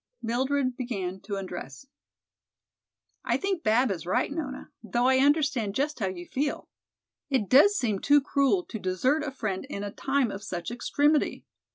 Mildred began to undress. "I think Bab is right, Nona, though I understand just how you feel. It does seem too cruel to desert a friend in a time of such extremity.